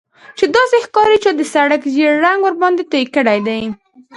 چې داسې ښکاري چا د سړک ژیړ رنګ ورباندې توی کړی دی